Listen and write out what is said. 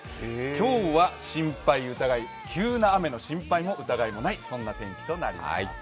今日は心配、疑い、急な雨の心配も疑いもない天気となります。